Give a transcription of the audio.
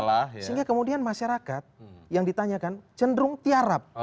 sehingga kemudian masyarakat yang ditanyakan cenderung tiarap